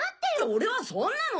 俺はそんなの。